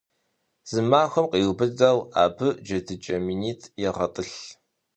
Зы махуэм къриубыдэу абы джэдыкӀэ минитӏ егъэтӏылъ.